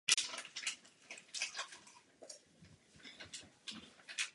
Ve škole je zavedena výuka cizích jazyků.